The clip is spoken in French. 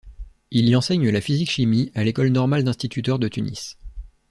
Il y enseigne la physique-chimie à l’École normale d’instituteurs de Tunis.